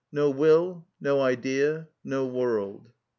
No will: no idea, no world.